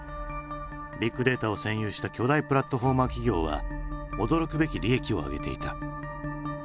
ビッグデータを占有した巨大プラットフォーマー企業は驚くべき利益を上げていた。